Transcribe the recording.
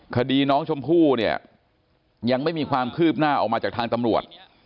คดีน้องชมพู่เนี่ยยังไม่มีความคืบหน้าออกมาจากทางตำรวจ